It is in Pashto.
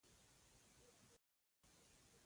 اکبر جانه خیر خو دی.